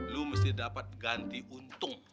lu mesti dapat ganti untung